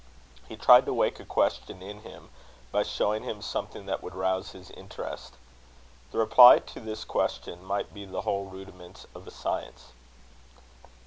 He tried to wake a question in him, by showing him something that would rouse his interest. The reply to this question might be the whole rudiments of a science.